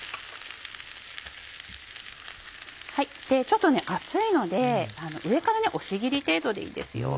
ちょっと熱いので上から押し切り程度でいいですよ